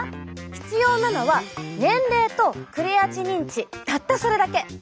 必要なのは年齢とクレアチニン値たったそれだけ。